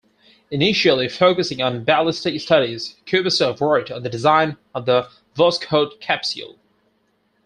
Initially focusing on ballistic studies, Kubasov worked on the design of the Voskhod capsule.